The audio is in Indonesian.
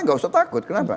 nggak usah takut kenapa